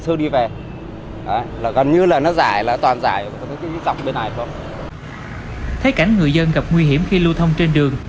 các người dân gặp nguy hiểm khi lưu thông trên đường